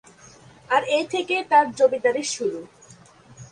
আর এই থেকেই তার জমিদারীর শুরু।